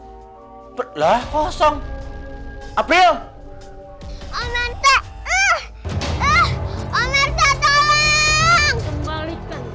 hai berlah kosong april